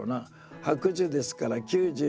「白寿」ですから９９歳。